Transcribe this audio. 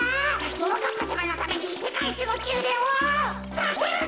ももかっぱさまのためにせかいいちのきゅうでんをつくるってか！